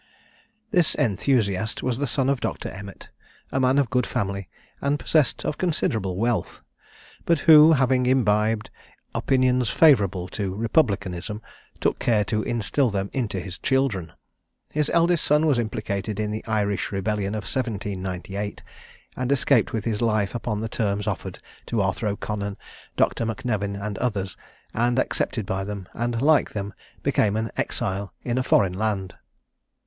This enthusiast was the son of Dr. Emmet, a man of good family, and possessed of considerable wealth; but who, having imbibed opinions favourable to republicanism, took care to instil them into his children. His eldest son was implicated in the Irish rebellion of 1798, and escaped with his life upon the terms offered to Arthur O'Connor, Dr. M'Nevin, and others, and accepted by them, and, like them, became an exile in a foreign land.